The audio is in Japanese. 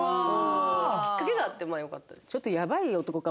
きっかけがあってまあよかったです。